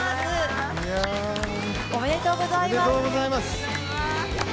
おめでとうございます。